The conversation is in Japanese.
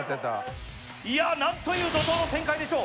いや何という怒濤の展開でしょう